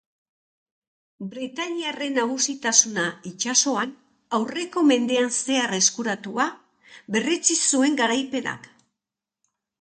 Britainiarren nagusitasuna itsasoan, aurreko mendean zehar eskuratua, berretsi zuen garaipenak.